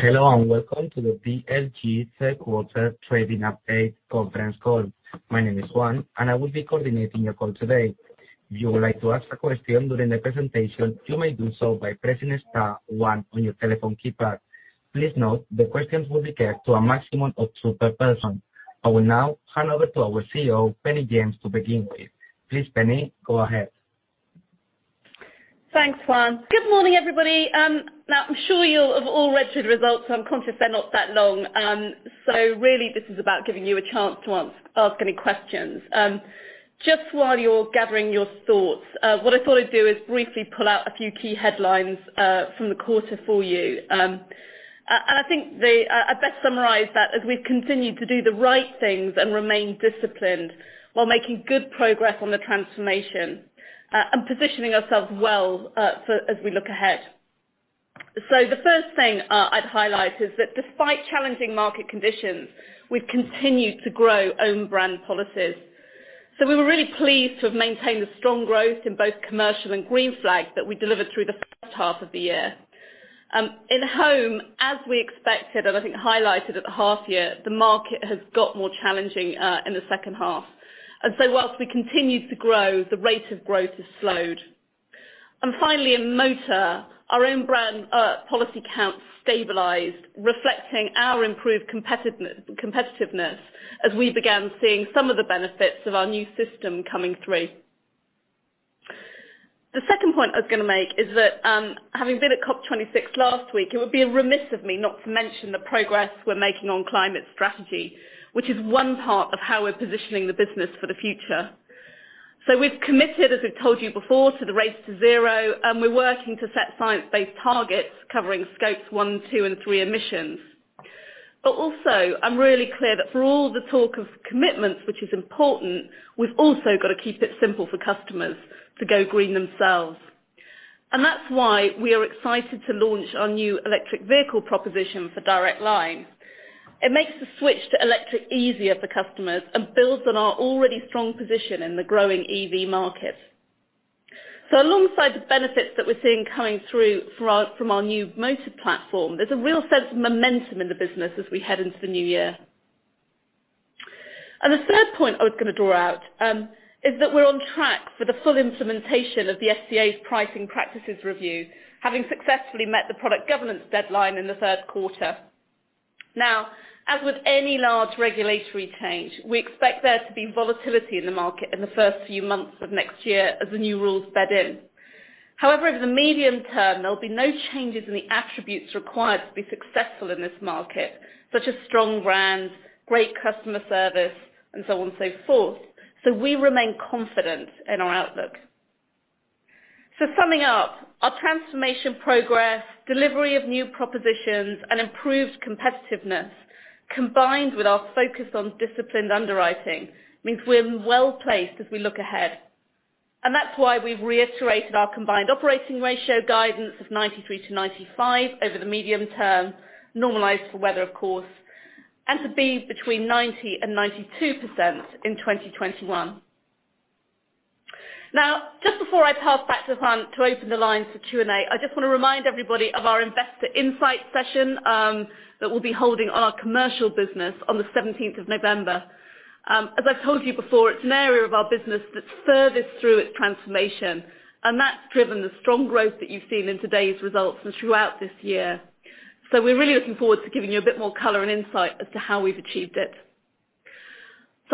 Hello, and welcome to the DLG third quarter trading update conference call. My name is Juan, and I will be coordinating your call today. If you would like to ask a question during the presentation, you may do so by pressing star one on your telephone keypad. Please note the questions will be kept to a maximum of two per person. I will now hand over to our CEO, Penny James, to begin with. Please, Penny, go ahead. Thanks, Juan. Good morning, everybody. Now, I'm sure you have all read the results, so I'm conscious they're not that long. Really this is about giving you a chance to ask any questions. Just while you're gathering your thoughts, what I thought I'd do is briefly pull out a few key headlines from the quarter for you. I think I best summarize that as we've continued to do the right things and remain disciplined while making good progress on the transformation, and positioning ourselves well, for as we look ahead. The first thing I'd highlight is that despite challenging market conditions, we've continued to grow own brand policies. We were really pleased to have maintained the strong growth in both commercial and Green Flag that we delivered through the first half of the year. In home, as we expected, and I think highlighted at the half year, the market has got more challenging in the second half. Whilst we continued to grow, the rate of growth has slowed. Finally, in motor, our own brand, policy count stabilized, reflecting our improved competitiveness as we began seeing some of the benefits of our new system coming through. The second point I was gonna make is that, having been at COP26 last week, it would be remiss of me not to mention the progress we're making on climate strategy, which is one part of how we're positioning the business for the future. We've committed, as we've told you before, to the Race to Zero, and we're working to set science-based targets covering Scope 1, 2 and 3 emissions. Also, I'm really clear that for all the talk of commitments, which is important, we've also got to keep it simple for customers to go green themselves. That's why we are excited to launch our new electric vehicle proposition for Direct Line. It makes the switch to electric easier for customers and builds on our already strong position in the growing EV market. Alongside the benefits that we're seeing coming through from our new motor platform, there's a real sense of momentum in the business as we head into the new year. The third point I was gonna draw out is that we're on track for the full implementation of the FCA's pricing practices review, having successfully met the product governance deadline in the third quarter. Now, as with any large regulatory change, we expect there to be volatility in the market in the first few months of next year as the new rules bed in. However, over the medium term, there'll be no changes in the attributes required to be successful in this market, such as strong brands, great customer service, and so on and so forth. So we remain confident in our outlook. So summing up, our transformation progress, delivery of new propositions, and improved competitiveness, combined with our focus on disciplined underwriting, means we're well-placed as we look ahead. That's why we've reiterated our combined operating ratio guidance of 93%-95% over the medium term, normalized for weather, of course, and to be between 90%-92% in 2021. Now, just before I pass back to Juan to open the lines for Q&A, I just wanna remind everybody of our investor insight session that we'll be holding on our commercial business on the November 17th. As I've told you before, it's an area of our business that's furthest through its transformation, and that's driven the strong growth that you've seen in today's results and throughout this year. We're really looking forward to giving you a bit more color and insight as to how we've achieved it.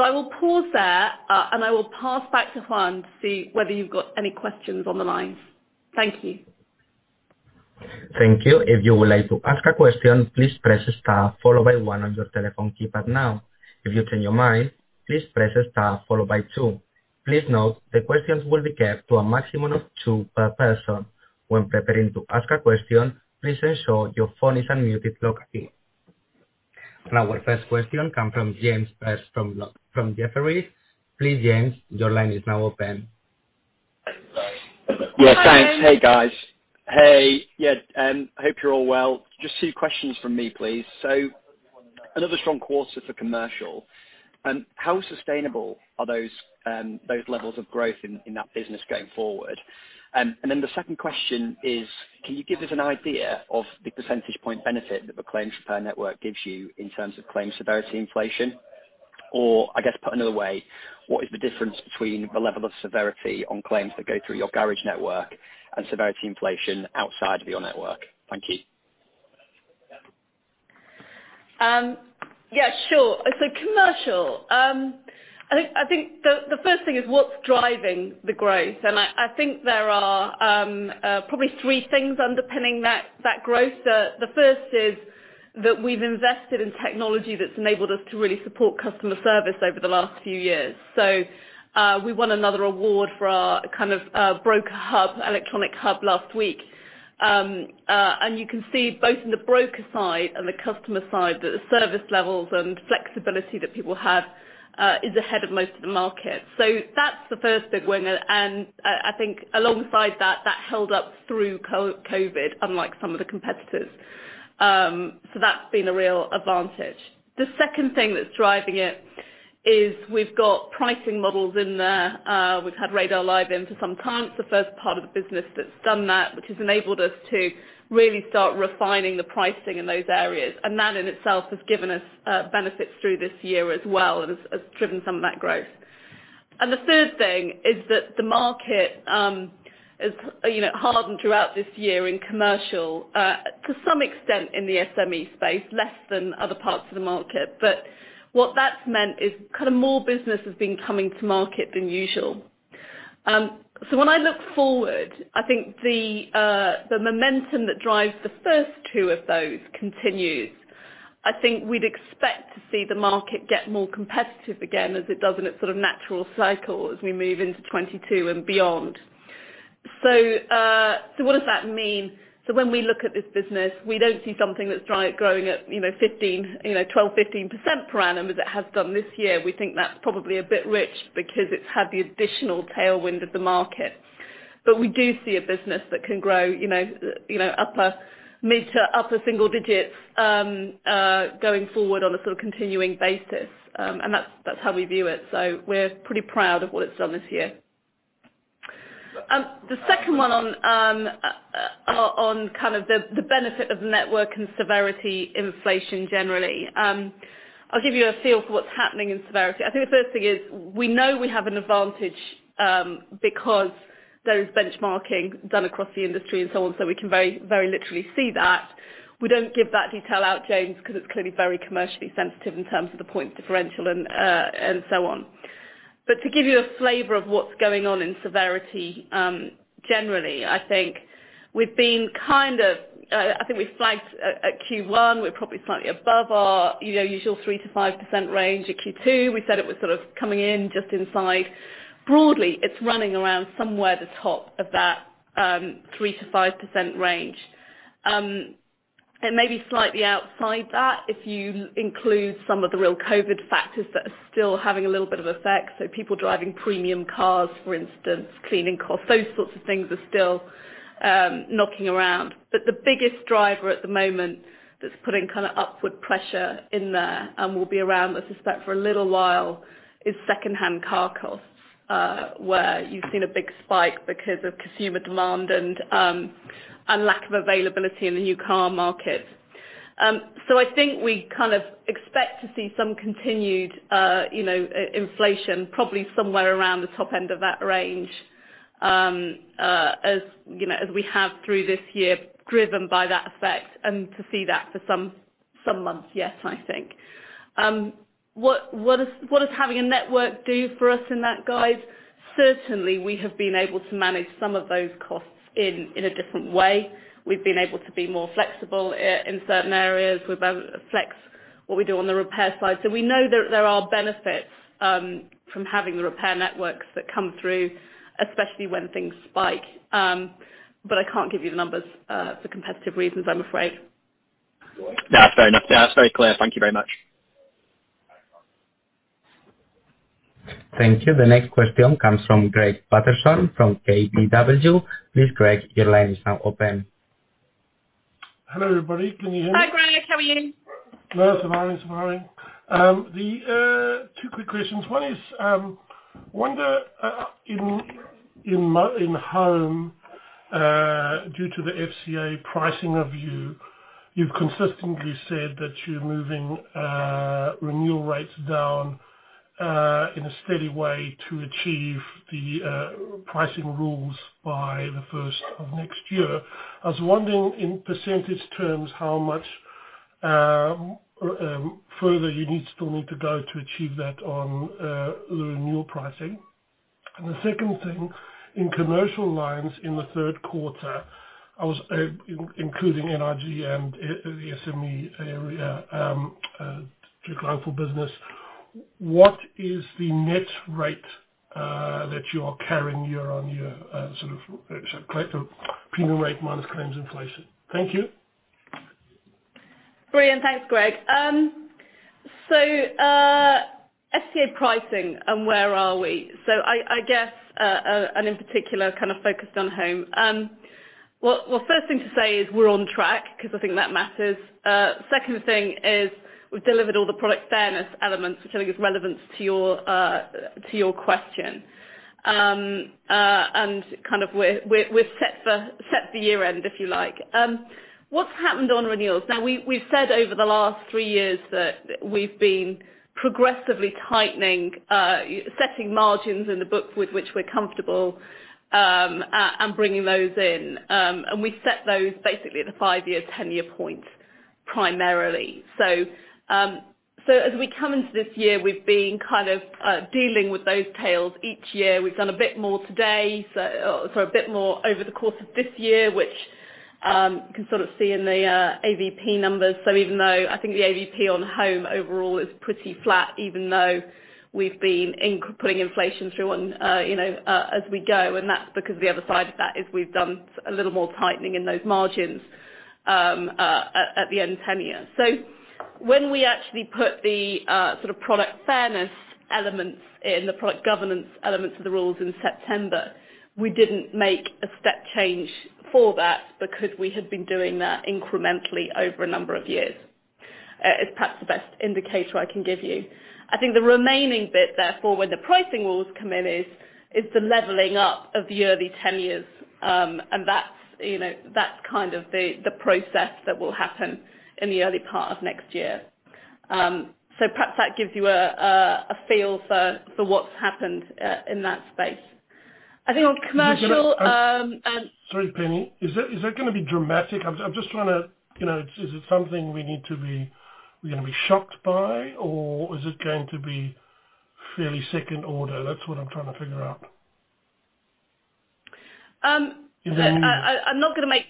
I will pause there, and I will pass back to Juan to see whether you've got any questions on the line. Thank you. Thank you. If you would like to ask a question, please press star followed by one on your telephone keypad now. If you change your mind, please press star followed by two. Please note, the questions will be kept to a maximum of two per person. When preparing to ask a question, please ensure your phone is unmuted locally. Our first question comes from James Pearse from Jefferies. Please, James, your line is now open. Hi. Yeah. Thanks. Hey, guys. Hey. Yeah, I hope you're all well. Just two questions from me, please. Another strong quarter for commercial. How sustainable are those levels of growth in that business going forward? The second question is, can you give us an idea of the percentage point benefit that the claims repair network gives you in terms of claims severity inflation? Or I guess put another way, what is the difference between the level of severity on claims that go through your garage network and severity inflation outside of your network? Thank you. Yeah, sure. Commercial, I think the first thing is what's driving the growth. I think there are probably three things underpinning that growth. The first is that we've invested in technology that's enabled us to really support customer service over the last few years. We won another award for our kind of broker hub, electronic hub last week. You can see both in the broker side and the customer side that the service levels and flexibility that people have is ahead of most of the market. That's the first big winner, and I think alongside that held up through COVID, unlike some of the competitors. That's been a real advantage. The second thing that's driving it is we've got pricing models in there. We've had Radar Live in for some time. It's the first part of the business that's done that, which has enabled us to really start refining the pricing in those areas. That in itself has given us benefits through this year as well and has driven some of that growth. The third thing is that the market has, you know, hardened throughout this year in commercial to some extent in the SME space, less than other parts of the market. What that's meant is kind of more business has been coming to market than usual. When I look forward, I think the momentum that drives the first two of those continues. I think we'd expect to see the market get more competitive again as it does in its sort of natural cycle as we move into 2022 and beyond. What does that mean? When we look at this business, we don't see something that's growing at, you know, 15... You know, 12%-15% per annum as it has done this year. We think that's probably a bit rich because it's had the additional tailwind of the market. We do see a business that can grow, you know, upper mid- to upper single digits going forward on a sort of continuing basis. That's how we view it. We're pretty proud of what it's done this year. The second one on kind of the benefit of network and severity inflation generally. I'll give you a feel for what's happening in severity. I think the first thing is we know we have an advantage, because there is benchmarking done across the industry and so on, so we can very, very literally see that. We don't give that detail out, James, because it's clearly very commercially sensitive in terms of the point differential and so on. To give you a flavor of what's going on in severity, generally, I think we flagged at Q1, we're probably slightly above our, you know, usual 3%-5% range. At Q2, we said it was sort of coming in just inside. Broadly, it's running around somewhere the top of that 3%-5% range. It may be slightly outside that if you include some of the real COVID factors that are still having a little bit of effect. People driving premium cars, for instance, cleaning costs, those sorts of things are still knocking around. The biggest driver at the moment that's putting kind of upward pressure in there and will be around, I suspect, for a little while, is secondhand car costs, where you've seen a big spike because of consumer demand and lack of availability in the new car market. I think we kind of expect to see some continued, you know, inflation probably somewhere around the top end of that range, as you know, as we have through this year, driven by that effect, and to see that for some months, yes, I think. What does having a network do for us in that guide? Certainly, we have been able to manage some of those costs in a different way. We've been able to be more flexible in certain areas. We've been able to flex what we do on the repair side. We know there are benefits from having the repair networks that come through, especially when things spike. I can't give you the numbers for competitive reasons, I'm afraid. That's fair enough. That's very clear. Thank you very much. Thank you. The next question comes from Greig Paterson from KBW. Please, Greg, your line is now open. Hello, everybody. Can you hear me? Hi, Greg. How are you? No, I'm surviving. Two quick questions. One is, I wonder in home due to the FCA pricing review, you've consistently said that you're moving renewal rates down in a steady way to achieve the pricing rules by the first of next year. I was wondering, in percentage terms, how much further you still need to go to achieve that on the renewal pricing. The second thing, in commercial lines in the third quarter, including NIG and the SME area, geographical business, what is the net rate that you're carrying year-on-year, sort of premium rate minus claims inflation? Thank you. Brilliant. Thanks, Greg. So, FCA pricing and where are we? I guess and in particular kind of focused on home. Well, first thing to say is we're on track because I think that matters. Second thing is we've delivered all the product fairness elements, which I think is relevant to your question. Kind of we're set for year-end, if you like. What's happened on renewals? Now, we've said over the last three years that we've been progressively tightening setting margins in the book with which we're comfortable, and bringing those in. We set those basically at the five-year, 10-year point primarily. So as we come into this year, we've been kind of dealing with those tails each year. We've done a bit more today, a bit more over the course of this year, which you can sort of see in the AVP numbers. Even though I think the AVP on home overall is pretty flat, even though we've been putting inflation through on, you know, as we go, and that's because the other side of that is we've done a little more tightening in those margins at the end of the year. When we actually put the sort of product fairness elements in, the product governance elements of the rules in September. We didn't make a step change for that because we had been doing that incrementally over a number of years is perhaps the best indicator I can give you. I think the remaining bit, therefore, when the pricing rules come in, is the leveling up of the early 10 years. That's, you know, that's kind of the process that will happen in the early part of next year. Perhaps that gives you a feel for what's happened in that space. I think on commercial. Sorry, Penny. Is that gonna be dramatic? I'm just trying to, you know, is it something we're gonna be shocked by? Or is it going to be fairly second order? That's what I'm trying to figure out. Um- Is that? I'm not gonna make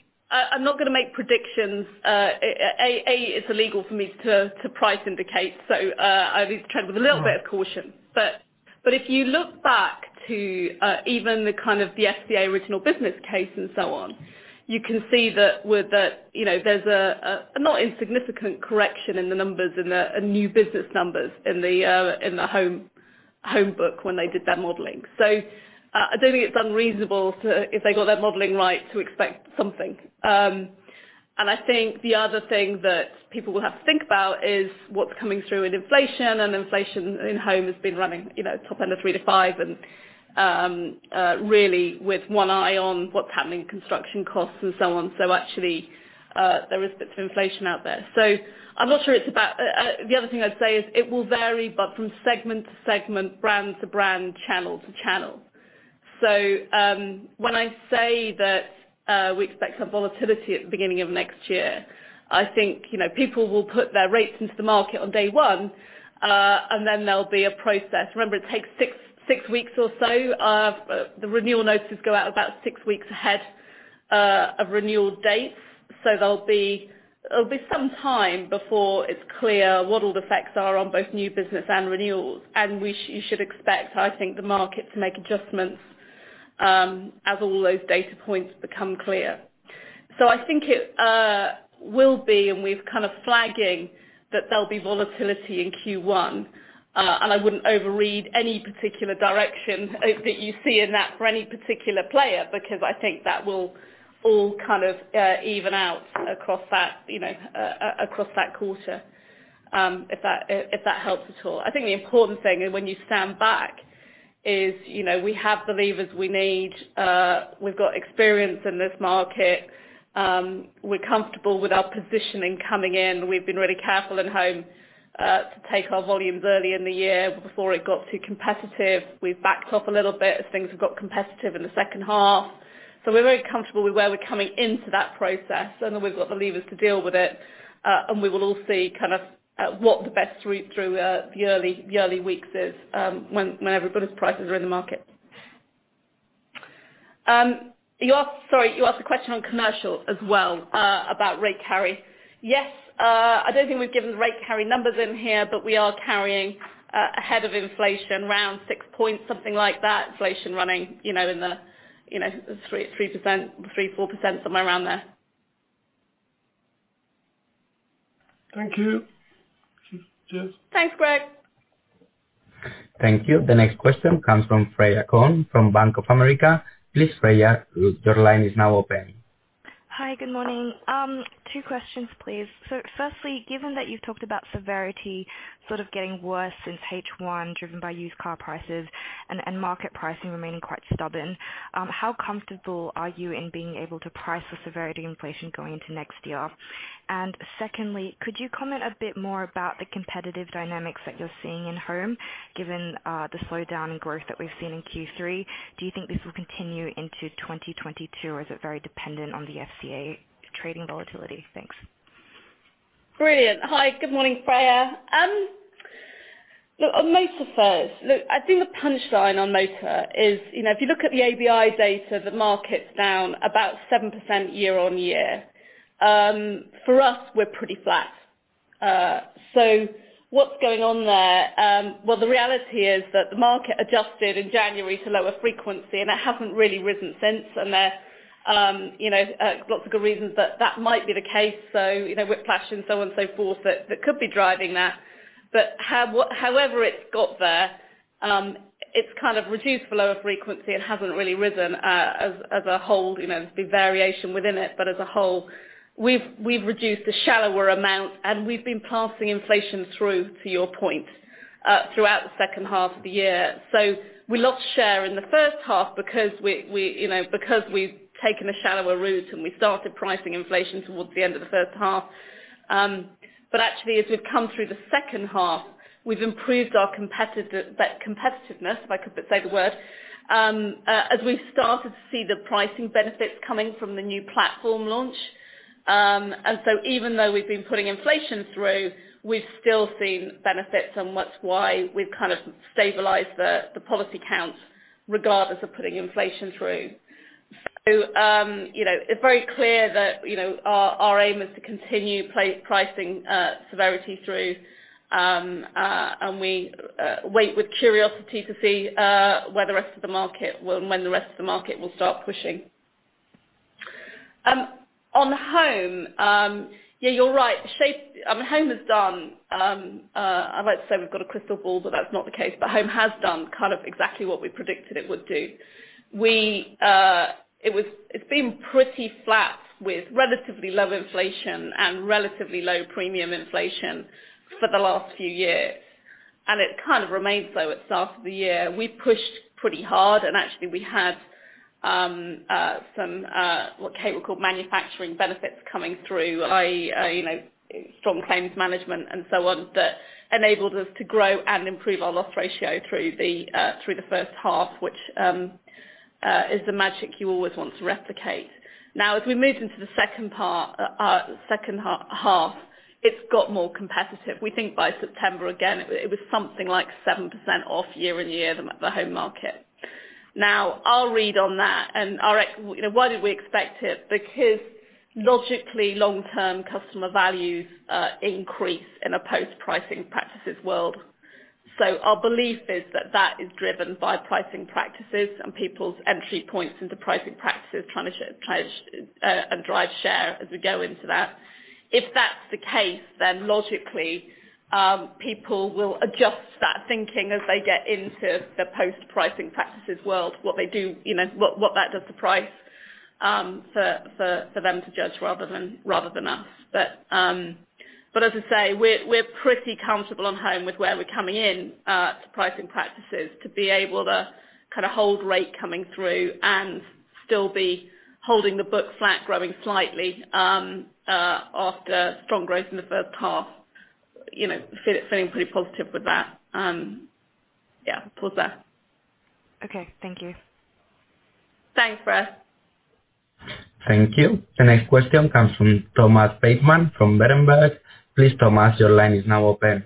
predictions. It's illegal for me to price indicate, so I'll be trying with a little bit of caution. If you look back to even the kind of the FCA original business case and so on, you can see that with the. You know, there's a not insignificant correction in the numbers, in the new business numbers in the home book when they did their modeling. I don't think it's unreasonable to, if they got their modeling right, to expect something. I think the other thing that people will have to think about is what's coming through with inflation. Inflation in home has been running, you know, top end of 3%-5% and really with one eye on what's happening in construction costs and so on. Actually, there is a bit of inflation out there. I'm not sure it's about the other thing I'd say is it will vary, but from segment to segment, brand to brand, channel to channel. When I say that, we expect some volatility at the beginning of next year, I think, you know, people will put their rates into the market on day one, and then there'll be a process. Remember, it takes six weeks or so. The renewal notices go out about six weeks ahead of renewal dates, so there'll be. It'll be some time before it's clear what all the effects are on both new business and renewals. You should expect, I think, the market to make adjustments as all those data points become clear. I think it will be, and we're kind of flagging that there'll be volatility in Q1. I wouldn't overread any particular direction that you see in that for any particular player, because I think that will all kind of even out across that, you know, across that quarter, if that helps at all. I think the important thing is when you stand back is, you know, we have the levers we need. We've got experience in this market. We're comfortable with our positioning coming in. We've been really careful in home to take our volumes early in the year before it got too competitive. We've backed off a little bit as things have got competitive in the second half. We're very comfortable with where we're coming into that process, and we've got the levers to deal with it. We will all see kind of what the best route through the early weeks is when everybody's prices are in the market. Sorry, you asked a question on commercial as well about rate carry. Yes, I don't think we've given rate carry numbers in here, but we are carrying ahead of inflation around 6 points, something like that. Inflation running, you know, in the, you know, 3%-4%, somewhere around there. Thank you. Cheers. Thanks, Greig. Thank you. The next question comes from Freya Kong from Bank of America. Please Freya, your line is now open. Hi, good morning. Two questions, please. Firstly, given that you've talked about severity sort of getting worse since H1 driven by used car prices and market pricing remaining quite stubborn, how comfortable are you in being able to price the severity inflation going into next year? And secondly, could you comment a bit more about the competitive dynamics that you're seeing in home given the slowdown in growth that we've seen in Q3? Do you think this will continue into 2022 or is it very dependent on the FCA trading volatility? Thanks. Brilliant. Hi, good morning, Freya. Look, on motor first. Look, I think the punchline on motor is, you know, if you look at the ABI data, the market's down about 7% year-on-year. For us, we're pretty flat. So what's going on there? Well, the reality is that the market adjusted in January to lower frequency, and it hasn't really risen since. There, you know, lots of good reasons that that might be the case. So, you know, whiplash and so on and so forth that could be driving that. However it's got there, it's kind of reduced the lower frequency. It hasn't really risen, as a whole. You know, there's been variation within it, but as a whole, we've reduced a shallower amount and we've been passing inflation through, to your point, throughout the second half of the year. We lost share in the first half because we've taken a shallower route and we started pricing inflation towards the end of the first half. Actually as we've come through the second half, we've improved our competitiveness, if I could say the word, as we've started to see the pricing benefits coming from the new platform launch. Even though we've been putting inflation through, we've still seen benefits, and that's why we've kind of stabilized the policy count regardless of putting inflation through. You know, it's very clear that, you know, our aim is to continue pricing severity through, and we wait with curiosity to see where the rest of the market will start pushing. On home, yeah, you're right. Home has done, I'd like to say we've got a crystal ball, but that's not the case. Home has done kind of exactly what we predicted it would do. It's been pretty flat with relatively low inflation and relatively low premium inflation for the last few years. It kind of remains so at the start of the year. We pushed pretty hard and actually we had some what Kate would call manufacturing benefits coming through, i.e., you know, strong claims management and so on, that enabled us to grow and improve our loss ratio through the first half, which is the magic you always want to replicate. Now, as we move into the second half, it's got more competitive. We think by September, again, it was something like 7% off year-on-year the home market. Now, our read on that and You know, why did we expect it? Because logically, long-term customer values increase in a post-pricing practices world. Our belief is that that is driven by pricing practices and people's entry points into pricing practices, trying to try and drive share as we go into that. If that's the case, then logically, people will adjust that thinking as they get into the post-pricing practices world. What they do, you know, what that does to price, for them to judge rather than us. As I say, we're pretty comfortable on home with where we're coming in to pricing practices to be able to kinda hold rate coming through and still be holding the book flat, growing slightly, after strong growth in the first half. You know, feeling pretty positive with that. Yeah. Pause there. Okay. Thank you. Thanks, Penny. Thank you. The next question comes from Thomas Bateman from Berenberg. Please, Thomas, your line is now open.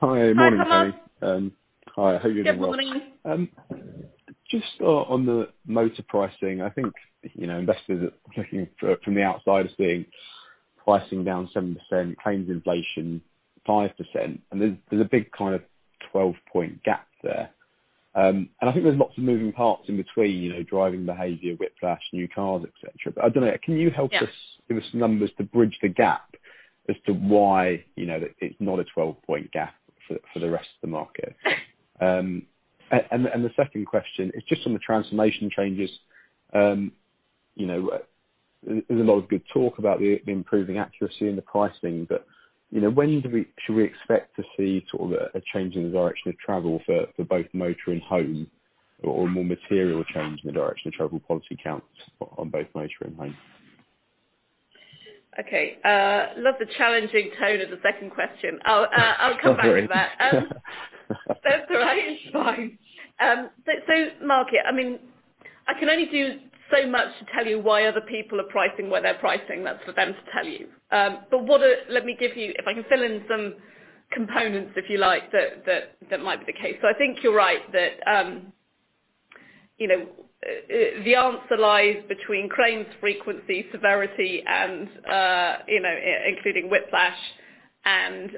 Hi. Morning, Penny. Hi, Thomas. Hi. Hope you're doing well. Good morning. Just on the motor pricing, I think, you know, investors are looking for, from the outside as being pricing down 7%, claims inflation 5%, and there's a big kind of 12-point gap there. I think there's lots of moving parts in between, you know, driving behavior, whiplash, new cars, et cetera. I don't know. Can you help us- Yeah. Give us some numbers to bridge the gap as to why, you know, that it's not a 12-point gap for the rest of the market. The second question is just on the transformation changes. You know, there's a lot of good talk about the improving accuracy in the pricing, but, you know, should we expect to see sort of a change in the direction of travel for both motor and home or more material change in the direction of travel policy counts on both motor and home? Okay. Love the challenging tone of the second question. I'll come back to that. Sorry. That's all right. It's fine. The market, I mean, I can only do so much to tell you why other people are pricing where they're pricing. That's for them to tell you. If I can fill in some components, if you like, that might be the case. I think you're right that the answer lies between claims frequency, severity, and, you know, including whiplash and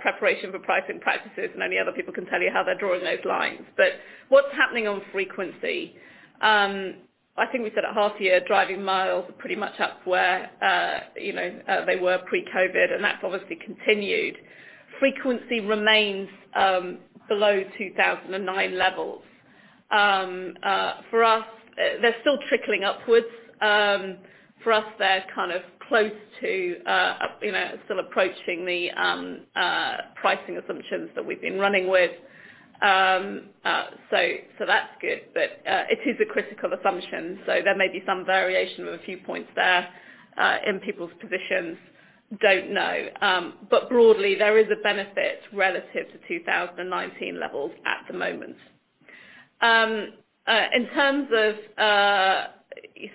preparation for pricing practices. Many other people can tell you how they're drawing those lines. What's happening on frequency, I think we said at half year, driving miles are pretty much up where they were pre-COVID, and that's obviously continued. Frequency remains below 2009 levels. For us, they're still trickling upwards. For us, they're kind of close to, you know, still approaching the pricing assumptions that we've been running with. So that's good. But it is a critical assumption, so there may be some variation of a few points there in people's positions. Don't know. But broadly, there is a benefit relative to 2019 levels at the moment. In terms of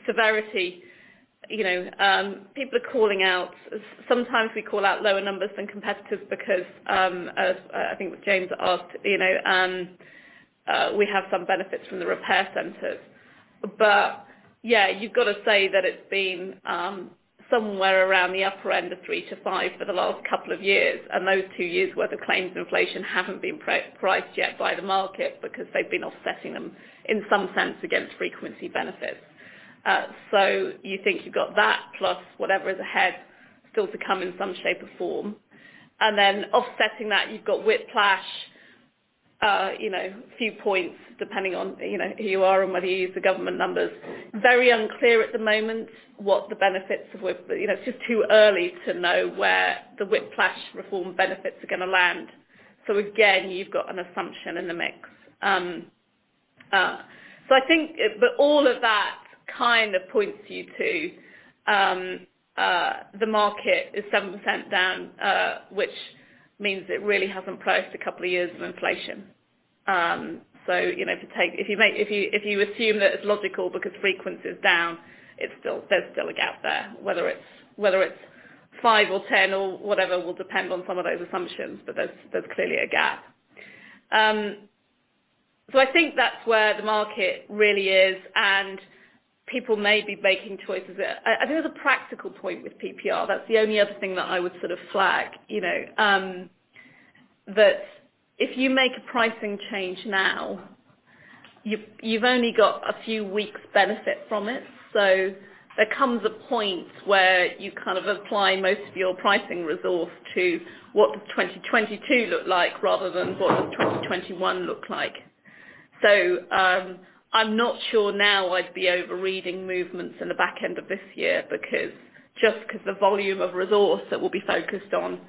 severity, you know, people are calling out. Sometimes we call out lower numbers than competitors because, as I think James asked, you know, we have some benefits from the repair centers. But yeah, you've got to say that it's been somewhere around the upper end of 3%-5% for the last couple of years. Those two years where the claims inflation haven't been priced yet by the market because they've been offsetting them in some sense against frequency benefits. You think you've got that plus whatever is ahead still to come in some shape or form. Offsetting that, you've got whiplash, you know, a few points depending on, you know, who you are and whether you use the government numbers. Very unclear at the moment what the benefits of whiplash are. You know, it's just too early to know where the whiplash reform benefits are gonna land. Again, you've got an assumption in the mix. I think, but all of that kind of points you to the market is 7% down, which means it really hasn't priced a couple of years of inflation. You know, to take If you assume that it's logical because frequency is down, there's still a gap there. Whether it's 5 or 10 or whatever will depend on some of those assumptions, but there's clearly a gap. I think that's where the market really is, and people may be making choices. I think there's a practical point with PPR. That's the only other thing that I would sort of flag, you know. That if you make a pricing change now, you've only got a few weeks benefit from it. There comes a point where you kind of apply most of your pricing resource to what does 2022 look like rather than what does 2021 look like. I'm not sure now I'd be over-reading movements in the back end of this year because just because the volume of resource that will be focused on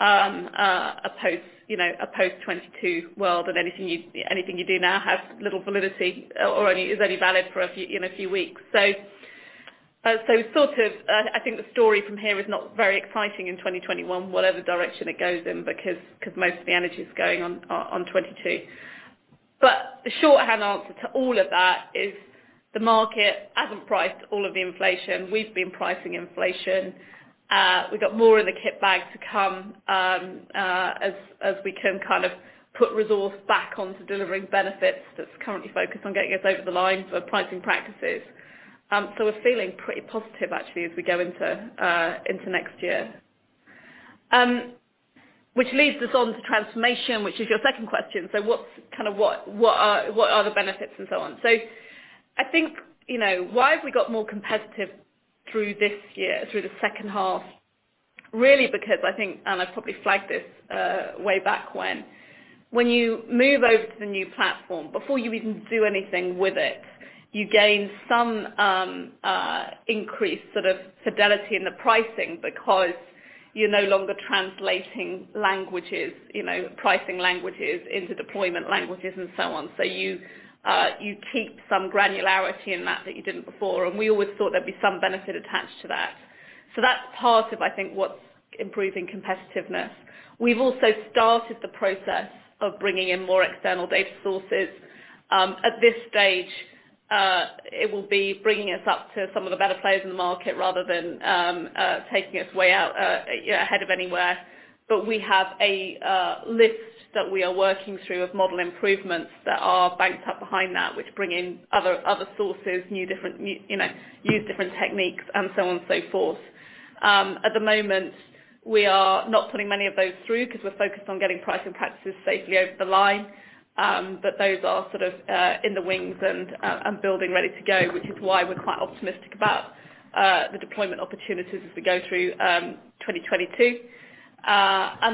a post, you know, a post-2022 world and anything you do now has little validity or is only valid for a few, you know, a few weeks. I think the story from here is not very exciting in 2021, whatever direction it goes in because most of the energy is going on 2022. The shorthand answer to all of that is the market hasn't priced all of the inflation. We've been pricing inflation. We've got more in the kit bag to come, as we can kind of put resource back onto delivering benefits that's currently focused on getting us over the line for pricing practices. We're feeling pretty positive actually as we go into next year. Which leads us on to transformation, which is your second question. What are the benefits and so on. I think, you know, why have we got more competitive through this year, through the second half? Really because I think, and I probably flagged this way back when. When you move over to the new platform, before you even do anything with it, you gain some increase sort of fidelity in the pricing because you're no longer translating languages, you know, pricing languages into deployment languages and so on. You keep some granularity in that you didn't before. We always thought there'd be some benefit attached to that. That's part of, I think, what's improving competitiveness. We've also started the process of bringing in more external data sources. At this stage, it will be bringing us up to some of the better players in the market rather than taking us way out, you know, ahead of anywhere. We have a list that we are working through of model improvements that are banked up behind that, which bring in other sources, new different, you know, use different techniques and so on and so forth. At the moment, we are not putting many of those through because we're focused on getting pricing practices safely over the line. Those are sort of in the wings and building ready to go, which is why we're quite optimistic about the deployment opportunities as we go through 2022.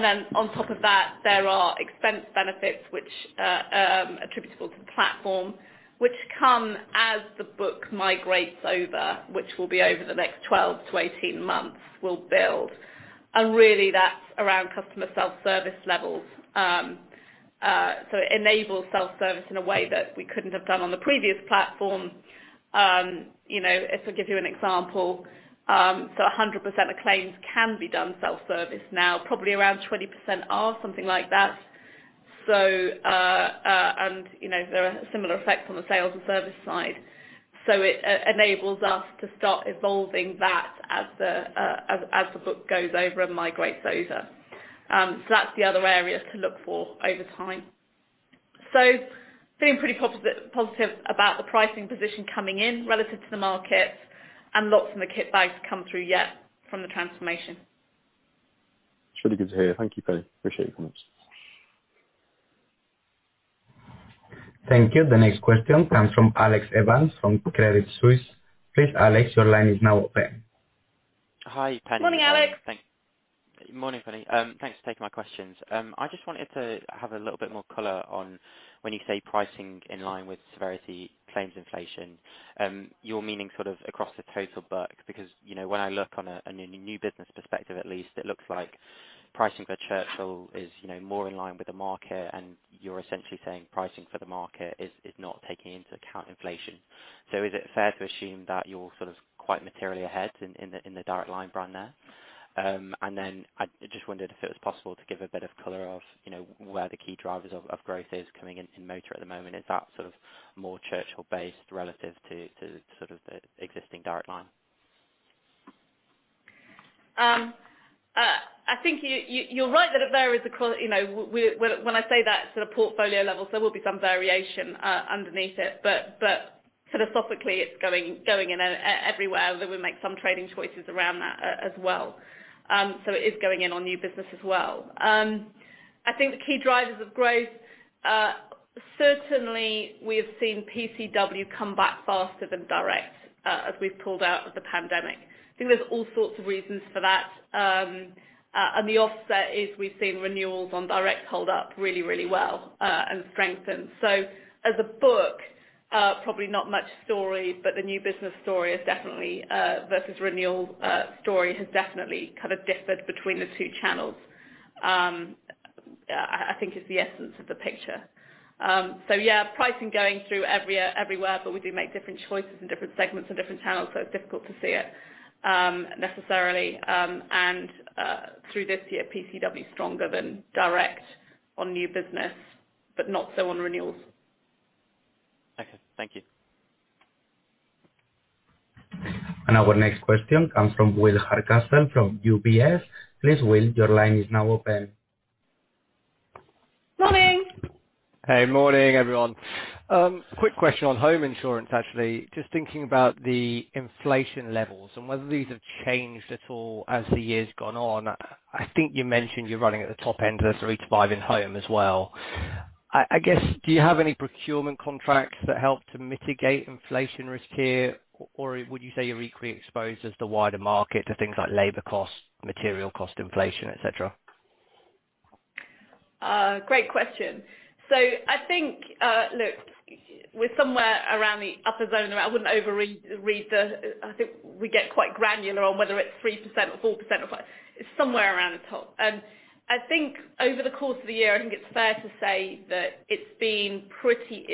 Then on top of that, there are expense benefits which are attributable to the platform, which come as the book migrates over, which will be over the next 12 months-18 months we'll build. Really that's around customer self-service levels. It en`ables self-service in a way that we couldn't have done on the previous platform. You know, if I give you an example, 100% of claims can be done self-service now. Probably around 20% are, something like that. And you know, there are similar effects on the sales and service side. It enables us to start evolving that as the book goes over and migrates over. That's the other area to look for over time. Feeling pretty positive about the pricing position coming in relative to the market and lots in the kit bag to come through yet from the transformation. It's really good to hear. Thank you, Penny. Appreciate your comments. Thank you. The next question comes from Alex Evans from Credit Suisse. Please Alex, your line is now open. Hi, Penny. Morning, Alex. Thanks. Morning, Penny. Thanks for taking my questions. I just wanted to have a little bit more color on when you say pricing in line with severity claims inflation, you're meaning sort of across the total book. Because, you know, when I look from a new business perspective, at least, it looks like pricing for Churchill is, you know, more in line with the market and you're essentially saying pricing for the market is not taking into account inflation. Is it fair to assume that you're sort of quite materially ahead in the Direct Line brand there? Then I just wondered if it was possible to give a bit of color of, you know, where the key drivers of growth is coming in motor at the moment. Is that sort of more Churchill based relative to sort of the existing Direct Line? I think you're right that there is, you know, when I say that sort of portfolio level, there will be some variation underneath it, but philosophically it's going in everywhere, although we make some trading choices around that as well. It is going in on new business as well. I think the key drivers of growth, certainly we have seen PCW come back faster than direct, as we've pulled out of the pandemic. I think there's all sorts of reasons for that. The offset is we've seen renewals on direct hold up really well, and strengthen. As a book, probably not much story, but the new business story is definitely versus renewals story has definitely kind of differed between the two channels. I think it's the essence of the picture. Yeah, pricing going through everywhere, but we do make different choices in different segments and different channels, so it's difficult to see it necessarily. Through this year, PCW is stronger than direct on new business, but not so on renewals. Okay. Thank you. Our next question comes from Will Hardcastle from UBS. Please Will, your line is now open. Hey, morning everyone. Quick question on home insurance, actually. Just thinking about the inflation levels and whether these have changed at all as the year's gone on. I think you mentioned you're running at the top end of 3%-5% in home as well. I guess, do you have any procurement contracts that help to mitigate inflation risk here, or would you say you're equally exposed as the wider market to things like labor costs, material cost inflation, et cetera? Great question. I think, look, with somewhere around the upper zone, I wouldn't overread the. I think we get quite granular on whether it's 3% or 4% or 5%. It's somewhere around the top. I think over the course of the year, it's fair to say that it's been pretty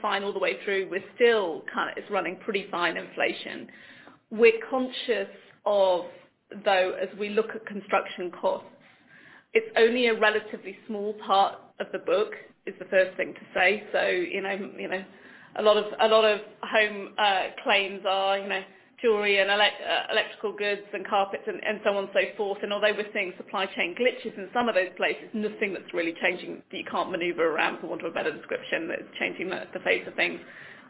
fine all the way through. It's running pretty fine, inflation. We're conscious of, though, as we look at construction costs, it's only a relatively small part of the book, is the first thing to say. You know, a lot of home claims are, you know, jewelry and electrical goods and carpets and so on and so forth. Although we're seeing supply chain glitches in some of those places, nothing that's really changing, that you can't maneuver around, for want of a better description, that's changing the face of things.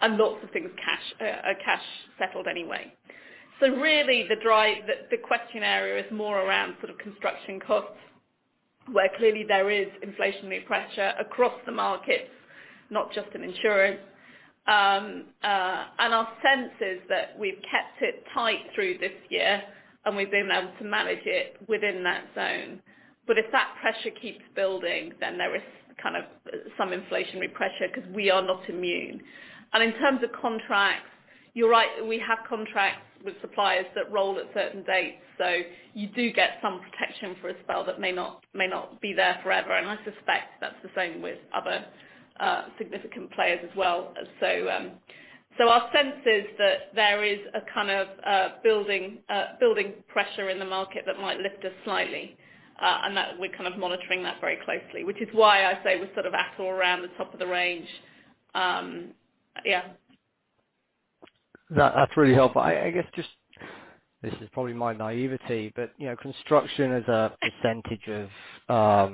Lots of things cash are cash settled anyway. Really the question area is more around sort of construction costs, where clearly there is inflationary pressure across the markets, not just in insurance. Our sense is that we've kept it tight through this year, and we've been able to manage it within that zone. If that pressure keeps building, then there is kind of some inflationary pressure because we are not immune. In terms of contracts, you're right. We have contracts with suppliers that roll at certain dates, so you do get some protection for a spell that may not be there forever. I suspect that's the same with other significant players as well. Our sense is that there is a kind of building pressure in the market that might lift us slightly, that we're kind of monitoring that very closely, which is why I say we're sort of at or around the top of the range. Yeah. That's really helpful. I guess just this is probably my naivety, but you know, construction as a percentage of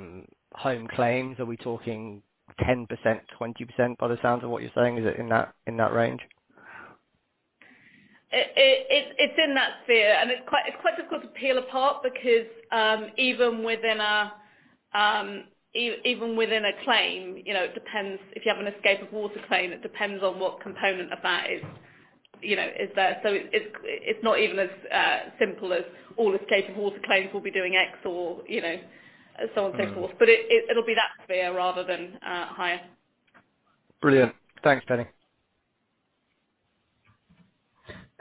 home claims, are we talking 10%, 20% by the sounds of what you're saying? Is it in that range? It's in that sphere, and it's quite difficult to peel apart because even within a claim, you know, it depends. If you have an escape of water claim, it depends on what component of that is, you know, is there. So it's not even as simple as all escape of water claims will be doing X or, you know, so on and so forth. Mm-hmm. It, it'll be that sphere rather than higher. Brilliant. Thanks, Penny.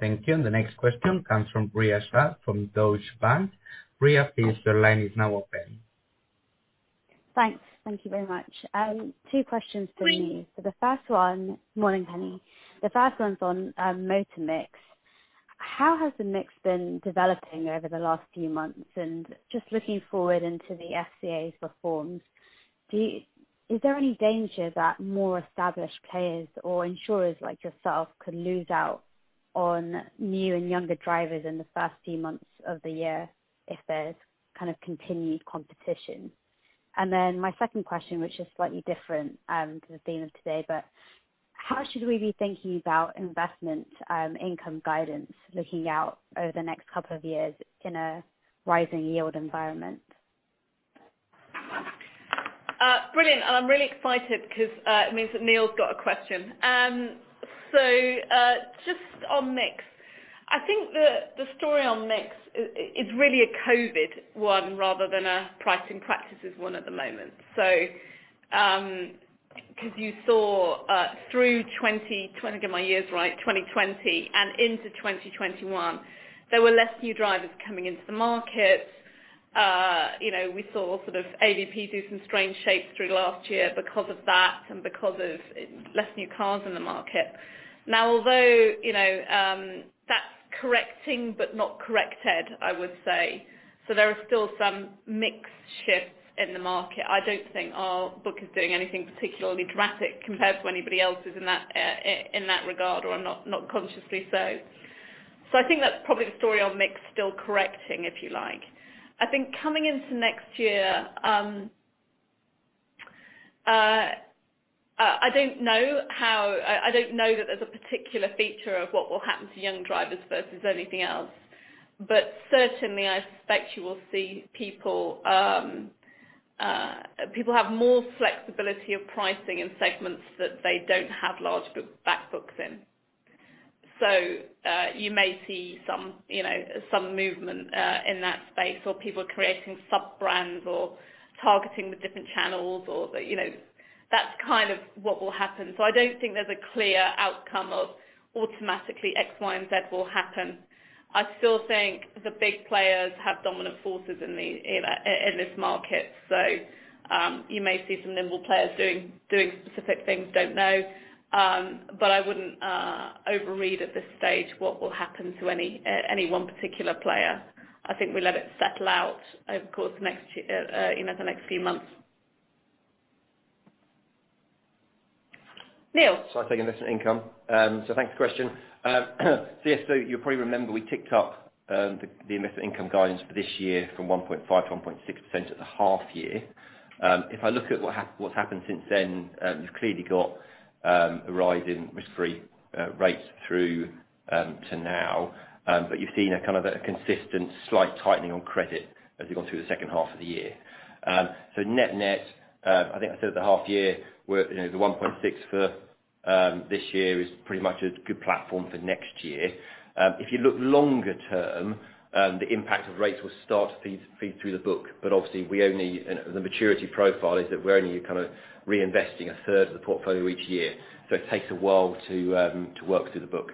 Thank you. The next question comes from Priya Shah from Deutsche Bank. Priya, please, the line is now open. Thanks. Thank you very much. Two questions for me. Great. Morning, Penny. The first one's on motor mix. How has the mix been developing over the last few months? And just looking forward into the FCA's reforms, is there any danger that more established players or insurers like yourself could lose out on new and younger drivers in the first few months of the year if there's kind of continued competition? And then my second question, which is slightly different, to the theme of today, but how should we be thinking about investment income guidance looking out over the next couple of years in a rising yield environment? Brilliant. I'm really excited because it means that Neil's got a question. Just on mix. I think the story on mix is really a COVID one rather than a pricing practices one at the moment. Because you saw through 2020 and into 2021, there were less new drivers coming into the market. You know, we saw sort of ABI do some strange shapes through last year because of that and because of less new cars in the market. Now, although, you know, that's correcting but not corrected, I would say, there are still some mix shifts in the market. I don't think our book is doing anything particularly dramatic compared to anybody else's in that regard, or not consciously so. I think that's probably the story on mix still correcting, if you like. I think coming into next year, I don't know that there's a particular feature of what will happen to young drivers versus anything else. Certainly, I suspect you will see people have more flexibility of pricing in segments that they don't have large back books in. You may see some, you know, some movement in that space, or people are creating sub-brands or targeting the different channels. You know, that's kind of what will happen. I don't think there's a clear outcome of automatically X, Y, and Z will happen. I still think the big players have dominant forces in this market. You may see some nimble players doing specific things. Don't know. I wouldn't overread at this stage what will happen to any one particular player. I think we let it settle out over the course of next year, you know, the next few months. I take investment income. Thanks for the question. You probably remember we ticked up the investment income guidance for this year from 1.5% to 1.6% at the half year. If I look at what's happened since then, you've clearly got a rise in risk-free rates through to now. But you've seen a kind of a consistent slight tightening on credit as we go through the second half of the year. Net-net, I think I said at the half year, we're, you know, the 1.6 for this year is pretty much a good platform for next year. If you look longer term, the impact of rates will start to feed through the book. But obviously we only... The maturity profile is that we're only kind of reinvesting a third of the portfolio each year. It takes a while to work through the book.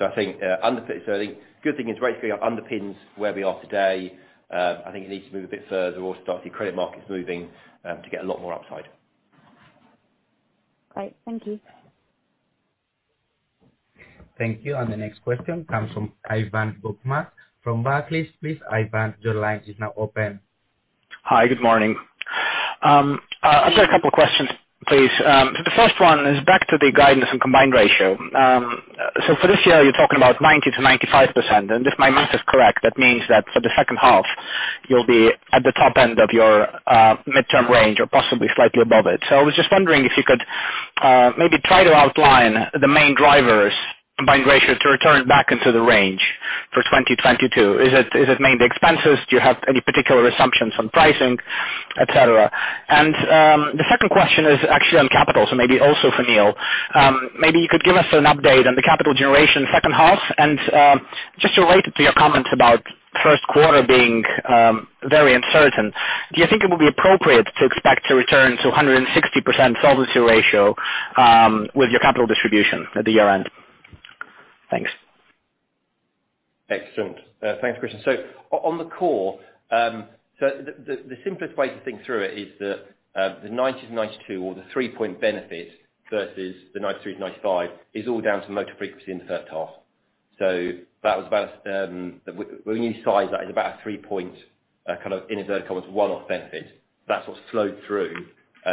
I think good thing is rates underpins where we are today. I think it needs to move a bit further or start the credit markets moving to get a lot more upside. Great. Thank you. Thank you. The next question comes from Ivan Bokhmat from Barclays. Please, Ivan, your line is now open. Hi. Good morning. I've got a couple of questions, please. The first one is back to the guidance and combined ratio. For this year, you're talking about 90%-95%. If my math is correct, that means that for the second half you'll be at the top end of your midterm range or possibly slightly above it. I was just wondering if you could maybe try to outline the main drivers combined ratio to return back into the range for 2022. Is it mainly expenses? Do you have any particular assumptions on pricing, et cetera? The second question is actually on capital. Maybe also for Neil, you could give us an update on the capital generation second half. Just related to your comments about first quarter being very uncertain, do you think it would be appropriate to expect to return to a 160% solvency ratio with your capital distribution at the year end? Thanks. Excellent. Thanks, Christian. On the core, the simplest way to think through it is that the 90%-92% or the 3-point benefit versus the 93%-95% is all down to motor frequency in the first half. That was about, when you size that, about 3 points, kind of in inverted commas, one-off benefit. That's what's slowed through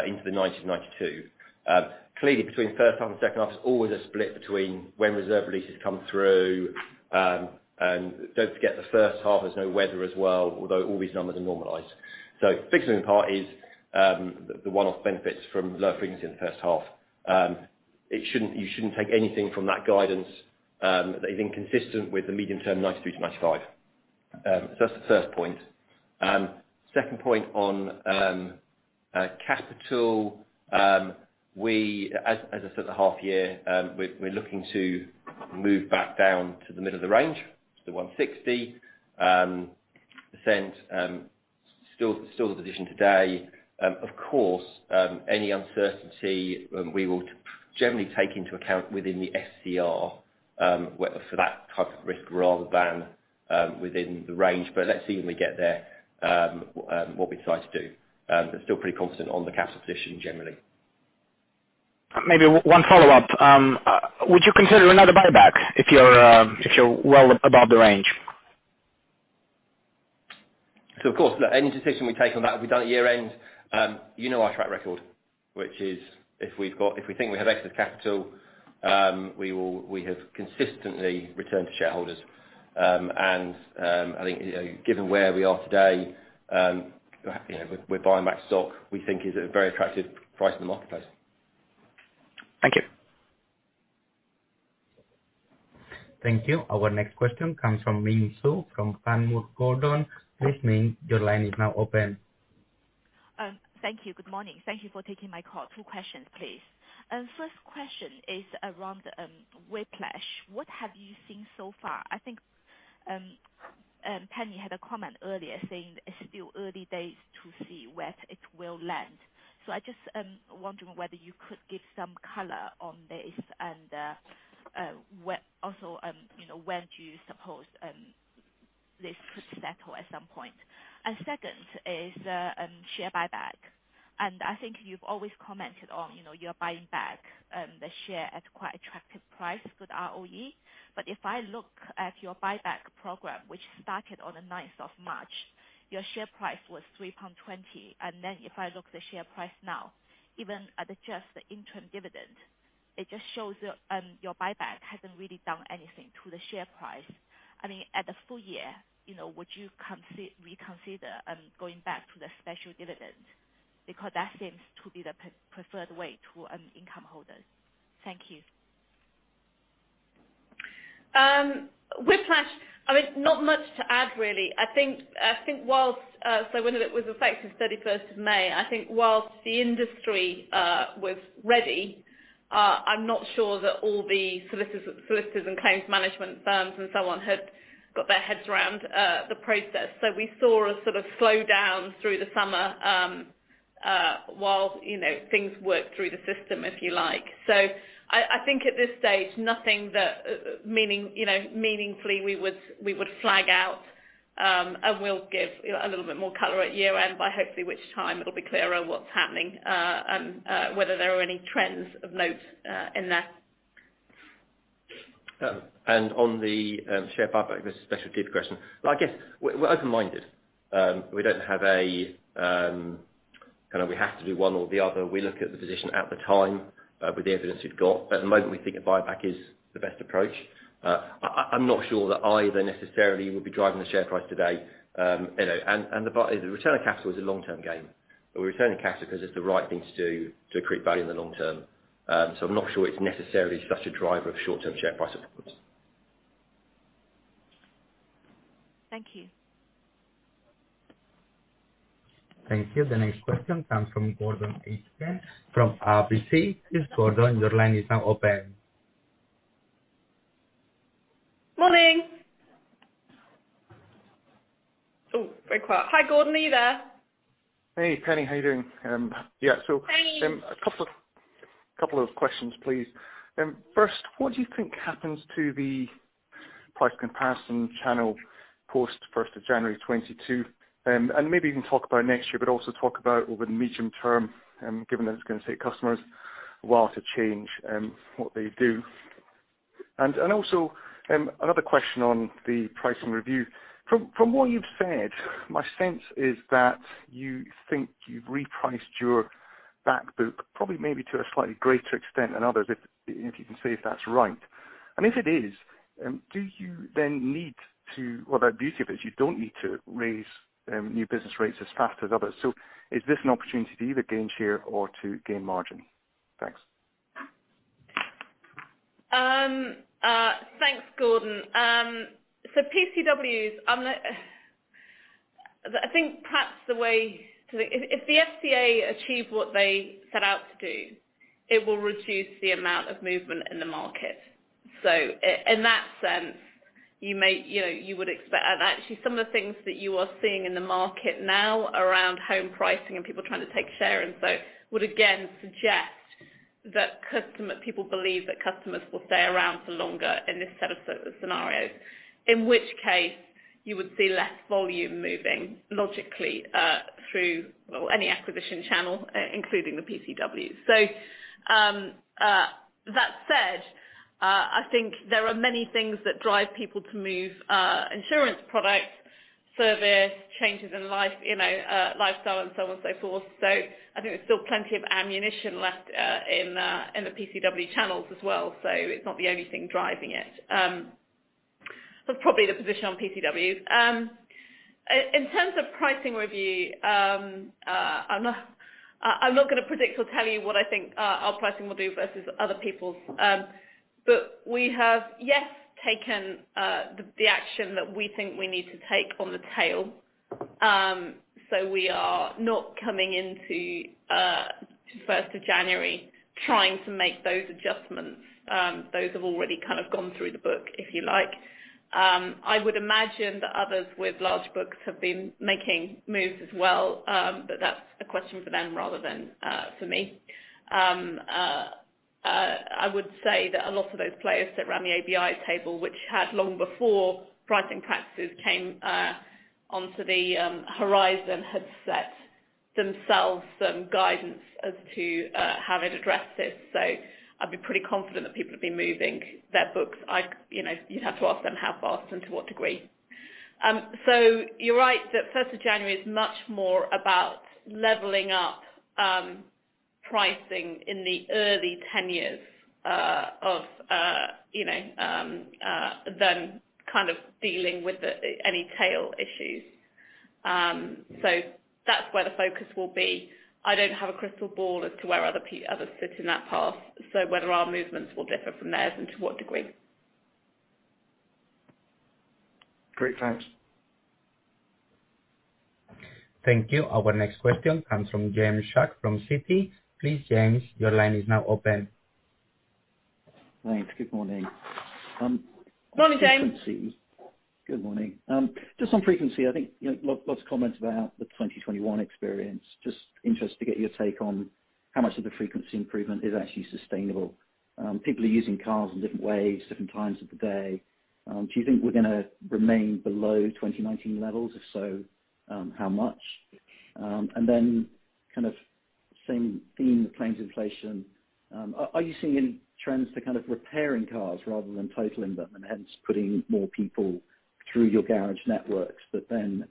into the 90%-92%. Clearly between first half and second half, there's always a split between when reserve releases come through. Don't forget the first half, there's no weather as well, although all these numbers are normalized. Fixing the part is the one-off benefits from low frequency in the first half. It shouldn't, you shouldn't take anything from that guidance that is inconsistent with the medium term 93%-95%. That's the first point. Second point on capital. We, as I said at half year, we're looking to move back down to the middle of the range to the 160%. Still the position today. Of course, any uncertainty, we will generally take into account within the SCR for that type of risk rather than within the range. Let's see when we get there, what we decide to do. Still pretty confident on the capital position generally. Maybe one follow-up. Would you consider another buyback if you're well above the range? Of course, any decision we take on that will be done at year end. You know our track record, which is if we think we have excess capital, we have consistently returned to shareholders. I think, you know, given where we are today, you know, we're buying back stock we think is a very attractive price in the marketplace. Thank you. Thank you. Our next question comes from Ming Zhu from Panmure Gordon. Please, Ming, your line is now open. Thank you. Good morning. Thank you for taking my call. Two questions, please. First question is around whiplash. What have you seen so far? I think Penny had a comment earlier saying it's still early days to see where it will land. I just wondering whether you could give some color on this and when. Also, you know, when do you suppose this could settle at some point? Second is share buyback. I think you've always commented on, you know, you're buying back the share at quite attractive price, good ROE. If I look at your buyback program, which started on the ninth of March, your share price was 3.20. If I look at the share price now, even at just the interim dividend, it just shows your buyback hasn't really done anything to the share price. I mean, at the full year, you know, would you reconsider going back to the special dividend? Because that seems to be the preferred way to income holders. Thank you. Whiplash. I mean, not much to add really. I think while so when it was effective May 31st, while the industry was ready, I'm not sure that all the solicitors and claims management firms and so on had got their heads around the process. We saw a sort of slow down through the summer while you know things worked through the system, if you like. I think at this stage nothing that, meaning you know, meaningfully we would flag out. We'll give a little bit more color at year end by hopefully which time it'll be clearer on what's happening whether there are any trends of note in there. On the share buyback, this specialty question, I guess we're open-minded. We don't have a kind of we have to do one or the other. We look at the position at the time with the evidence we've got. At the moment, we think a buyback is the best approach. I'm not sure that either necessarily would be driving the share price today. You know, the return on capital is a long-term game. We're returning capital 'cause it's the right thing to do to create value in the long term. I'm not sure it's necessarily such a driver of short-term share price support. Thank you. Thank you. The next question comes from Gordon Aitken from RBC. Please, Gordon, your line is now open. Morning. Oh, very quiet. Hi, Gordon, are you there? Hey, Penny. How are you doing? Hey A couple of questions, please. First, what do you think happens to the price comparison channel post first of January 2022? Maybe you can talk about next year, but also talk about over the medium term, given that it's gonna take customers a while to change what they do. Also, another question on the pricing review. From what you've said, my sense is that you think you've repriced your back book probably maybe to a slightly greater extent than others, if you can say if that's right. If it is, do you then need to raise new business rates as fast as others? Well, the beauty of it is you don't need to raise new business rates as fast as others. Is this an opportunity to either gain share or to gain margin? Thanks. Thanks, Gordon. PCWs, I think perhaps the way to if the FCA achieve what they set out to do, it will reduce the amount of movement in the market. In that sense, you may, you know, you would expect. Actually some of the things that you are seeing in the market now around home pricing and people trying to take share and so would again suggest that customers, people believe that customers will stay around for longer in this set of scenarios. In which case, you would see less volume moving logically through any acquisition channel, including the PCW. That said, I think there are many things that drive people to move insurance products, service, changes in life, you know, lifestyle and so on and so forth. I think there's still plenty of ammunition left in the PCW channels as well. It's not the only thing driving it. That's probably the position on PCWs. In terms of pricing review, I'm not gonna predict or tell you what I think our pricing will do versus other people's. But we have, yes, taken the action that we think we need to take on the tail. We are not coming into January 1st trying to make those adjustments. Those have already kind of gone through the book, if you like. I would imagine that others with large books have been making moves as well, but that's a question for them rather than for me. I would say that a lot of those players sit around the ABI table, which had, long before pricing practices came onto the horizon, had set themselves some guidance as to how they'd address this. I'd be pretty confident that people have been moving their books. You know you'd have to ask them how fast and to what degree. You're right that first of January is much more about leveling up pricing in the early 2010s of you know than kind of dealing with any tail issues. That's where the focus will be. I don't have a crystal ball as to where others sit in that path. Whether our movements will differ from theirs and to what degree. Great. Thanks. Thank you. Our next question comes from James Shuck from Citi. Please, James, your line is now open. Thanks. Good morning. Morning, James. Good morning. Just on frequency, I think, you know, lots of comments about the 2021 experience. Just interested to get your take on how much of the frequency improvement is actually sustainable. People are using cars in different ways, different times of the day. Do you think we're gonna remain below 2019 levels? If so, how much? And then kind of same theme, claims inflation. Are you seeing any trends to kind of repairing cars rather than totaling them and hence putting more people through your garage networks, but then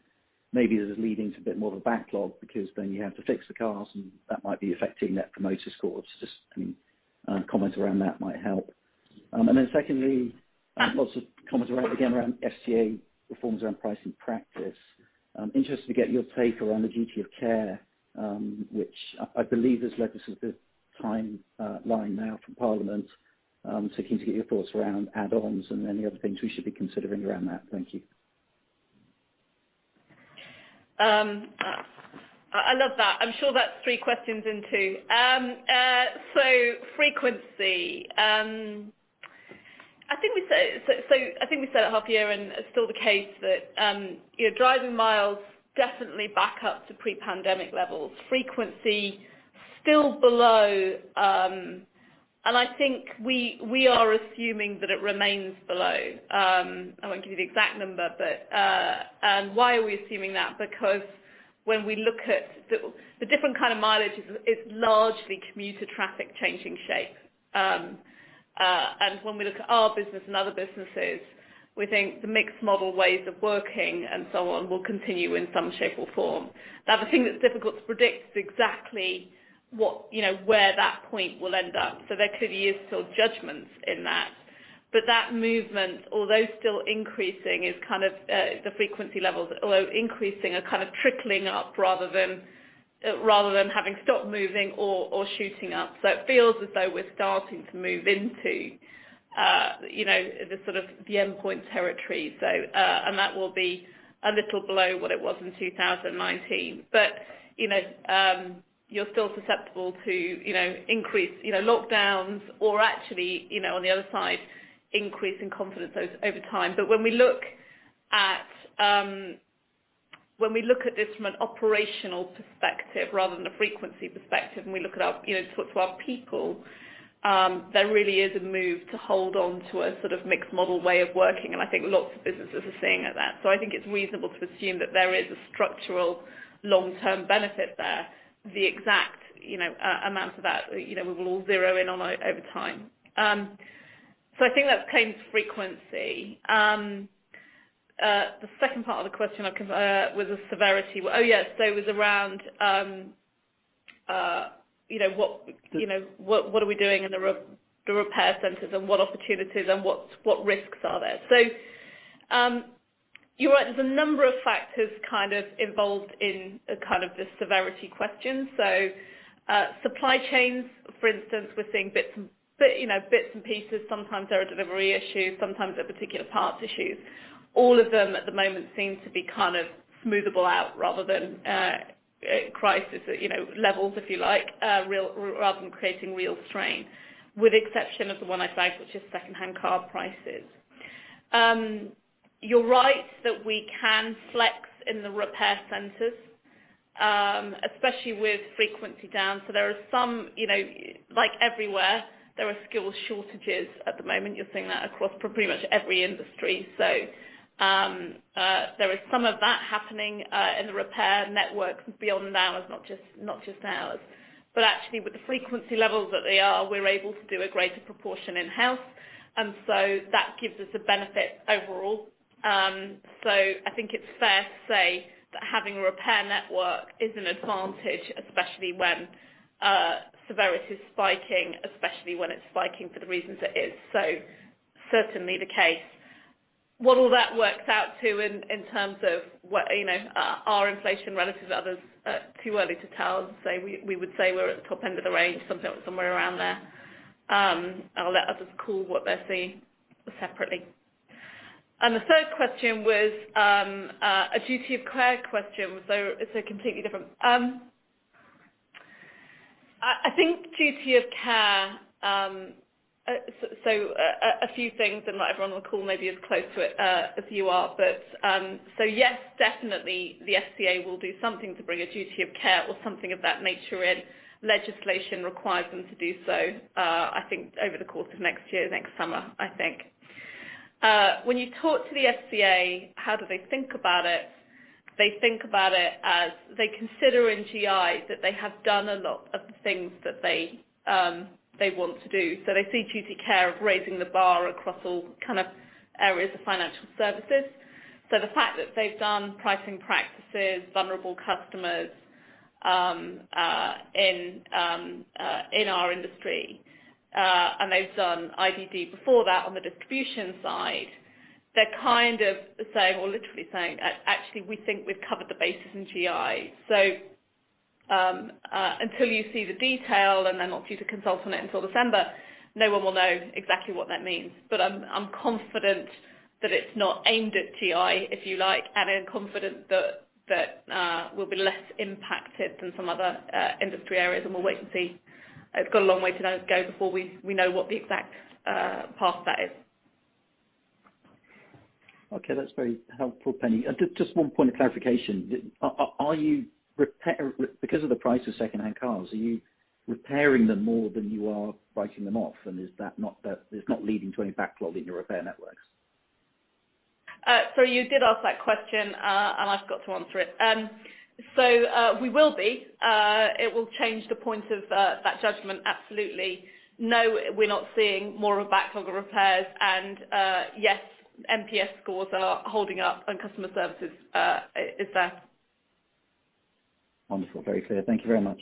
maybe this is leading to a bit more of a backlog because then you have to fix the cars and that might be affecting Net Promoter Scores? Just any comment around that might help. Secondly, lots of comments around FCA reforms around pricing practices. I'm interested to get your take around the duty of care, which I believe has led to sort of the timeline now from Parliament. Keen to get your thoughts around add-ons and any other things we should be considering around that. Thank you. I love that. I'm sure that's three questions in two. Frequency. I think we said it half year, and it's still the case that you know, driving miles definitely back up to pre-pandemic levels. Frequency still below, and I think we are assuming that it remains below. I won't give you the exact number, but. Why are we assuming that? Because when we look at the different kind of mileage, it's largely commuter traffic changing shape. When we look at our business and other businesses, we think the mixed model ways of working and so on will continue in some shape or form. Now, the thing that's difficult to predict is exactly what you know, where that point will end up. There could be years till judgments in that. That movement, although still increasing, is kind of the frequency levels, although increasing, are kind of trickling up rather than having stopped moving or shooting up. It feels as though we're starting to move into you know the sort of the endpoint territory. That will be a little below what it was in 2019. You know you're still susceptible to you know increase you know lockdowns or actually you know on the other side increase in confidence over time. When we look at... When we look at this from an operational perspective rather than a frequency perspective, and we look at our you know talk to our people, there really is a move to hold on to a sort of mixed model way of working. I think lots of businesses are seeing that. I think it's reasonable to assume that there is a structural long-term benefit there. The exact you know amount of that you know we will all zero in on over time. I think that's claims frequency. The second part of the question was the severity. Yes. It was around you know what are we doing in the repair centers and what opportunities and what risks are there. You're right. There's a number of factors kind of involved in kind of the severity question. Supply chains, for instance, we're seeing bits and pieces. Sometimes there are delivery issues, sometimes there are particular parts issues. All of them at the moment seem to be kind of smooth-able out rather than crisis, you know, levels, if you like, rather than creating real strain, with exception of the one I flagged, which is secondhand car prices. You're right that we can flex in the repair centers, especially with frequency down. There are some, you know, like everywhere, there are skill shortages at the moment. You're seeing that across pretty much every industry. There is some of that happening in the repair network beyond ours, not just ours. Actually, with the frequency levels that they are, we're able to do a greater proportion in-house, and so that gives us a benefit overall. I think it's fair to say that having a repair network is an advantage, especially when severity is spiking, especially when it's spiking for the reasons it is. Certainly the case. What all that works out to in terms of what, you know, our inflation relative to others, too early to tell. Say, we would say we're at the top end of the range, something somewhere around there. I'll let others call what they're seeing separately. The third question was a duty of care question, so completely different. I think duty of care. A few things, and not everyone on the call may be as close to it as you are, but yes, definitely the FCA will do something to bring a duty of care or something of that nature in. Legislation requires them to do so. I think over the course of next year, next summer. When you talk to the FCA, how do they think about it? They think about it as they consider in GI that they have done a lot of the things that they want to do. They see duty of care as raising the bar across all kinds of areas of financial services. The fact that they've done pricing practices, vulnerable customers, in our industry, and they've done IDD before that on the distribution side, they're kind of saying or literally saying, actually, we think we've covered the bases in GI. Until you see the detail, and they're not due to consult on it until December, no one will know exactly what that means. I'm confident that it's not aimed at GI, if you like, and I'm confident that we'll be less impacted than some other industry areas, and we'll wait and see. It's got a long way to go before we know what the exact path that is. Okay. That's very helpful, Penny. Just one point of clarification. Because of the price of secondhand cars, are you repairing them more than you are writing them off? Is that not leading to any backlog in your repair networks? You did ask that question, and I forgot to answer it. We will be. It will change the point of that judgment absolutely. No, we're not seeing more of a backlog of repairs, and yes, NPS scores are holding up and customer services is there. Wonderful. Very clear. Thank you very much.